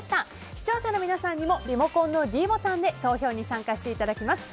視聴者の皆さんにもリモコンのｄボタンで投票に参加していただきます。